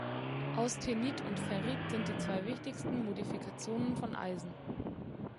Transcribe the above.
Austenit und Ferrit sind die zwei wichtigsten Modifikationen von Eisen.